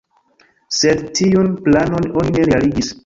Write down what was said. Sed tiun planon oni ne realigis.